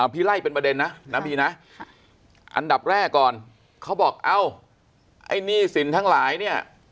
พี่ไล่เป็นประเด็นนะอันดับแรกก่อนเขาบอกนี่สินทั้งหลายเนี่ย